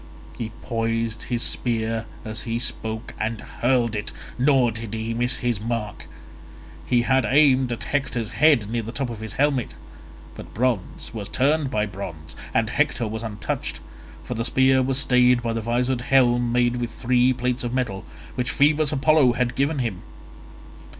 He poised his spear as he spoke and hurled it, nor did he miss his mark. He had aimed at Hector's head near the top of his helmet, but bronze was turned by bronze, and Hector was untouched, for the spear was stayed by the visored helm made with three plates of metal, which Phoebus Apollo had given him.